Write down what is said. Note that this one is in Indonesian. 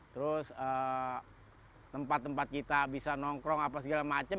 terus tempat tempat kita bisa nongkrong apa segala macam